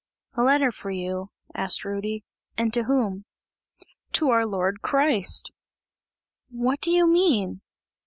"A letter for you," asked Rudy, "and to whom?" "To our Lord Christ!" "What do you mean?"